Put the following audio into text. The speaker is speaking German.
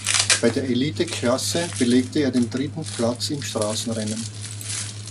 Bei der Elite-Klasse belegte er den dritten Platz im Straßenrennen.